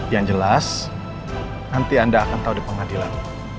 yang jelas nanti anda akan tahu di pengadilan